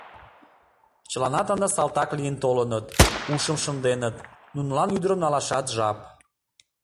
Чыланат ынде салтак лийын толыныт, ушым шынденыт, нунылан ӱдырым налашат жап.